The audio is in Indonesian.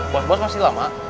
bos bos masih lama